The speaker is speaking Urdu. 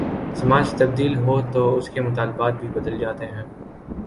سماج تبدیل ہو تو اس کے مطالبات بھی بدل جاتے ہیں۔